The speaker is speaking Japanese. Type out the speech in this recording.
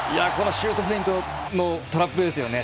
シュートフェイントのトラップですよね。